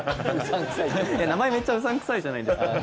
名前めっちゃうさん臭いじゃないですか。